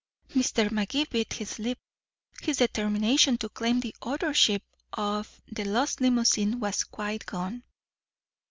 Mr. Magee bit his lip. His determination to claim the authorship of The Lost Limousine was quite gone.